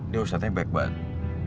dia ustadz nya baik banget